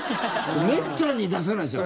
めったに出さないですよ